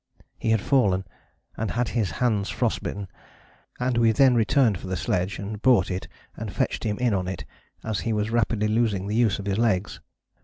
He had fallen and had his hands frost bitten, and we then returned for the sledge, and brought it, and fetched him in on it as he was rapidly losing the use of his legs.